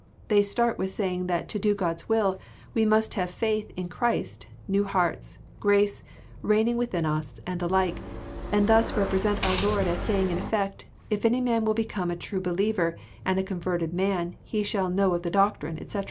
They start with saying, that to " do God*s will," we must have faith in Christ, new hearts, grace reigning within ns, and the like, and thus repre sent our Lord as saying in effect, <' If any man will become a true believer, and a converted man, he shall 'know of the doctrine,' " etc.